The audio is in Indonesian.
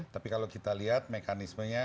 tapi kalau kita lihat mekanismenya